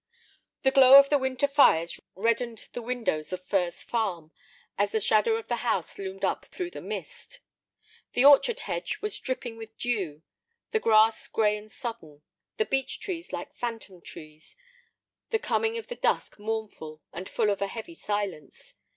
The glow of the winter fires reddened the windows of Furze Farm as the shadow of the house loomed up through the mist. The orchard hedge was dripping with dew, the grass gray and sodden, the beech trees like phantom trees, the coming of the dusk mournful and full of a heavy silence.